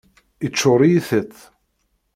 Iččuṛ-iyi tiṭ.